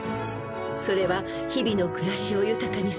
［それは日々の暮らしを豊かにする